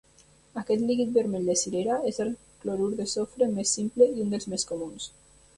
Aquest líquid vermell de cirera és el clorur de sofre més simple i un dels més comuns.